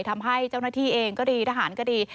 ทำให้เจ้าหน้าที่เองก็ดีทหารก็ดี